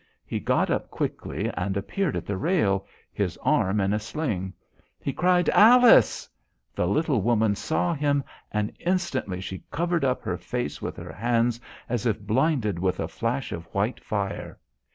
He got up quickly and appeared at the rail, his arm in a sling. He cried, "Alice!" The little woman saw him, and instantly she covered up her face with her hands as if blinded with a flash of white fire.